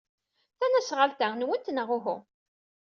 Tasnasɣalt-a nwent, neɣ uhu?